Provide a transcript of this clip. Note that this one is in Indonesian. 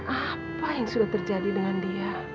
apa yang sudah terjadi dengan dia